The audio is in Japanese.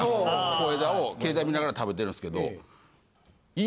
小枝を携帯見ながら食べてるんすけど。